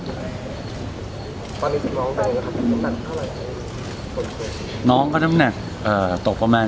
ตอนนี้น้องได้นะครับน้ำหนักเท่าไหร่